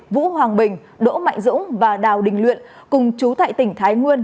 vũ hoàng bình đỗ mạnh dũng và đào đình luyện cùng chú tại tỉnh thái nguyên